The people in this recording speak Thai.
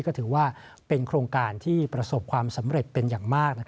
ก็ถือว่าเป็นโครงการที่ประสบความสำเร็จเป็นอย่างมาก